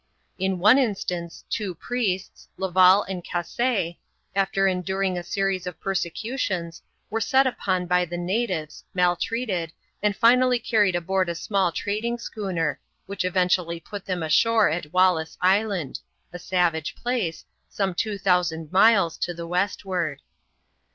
In one instance, two priests, Laval and Caset, after enduring a series of persecutions, were set upon by the natives, maltreated, and finally carried aboard a small trading schooner, which eventually put them ashore at Wallis Island — a savage place — some two thousand miles to the westward.